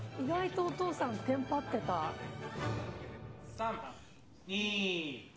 ３２。